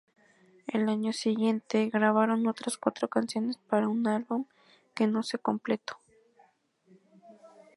El año siguiente grabaron otras cuatro canciones para un álbum que no se completó.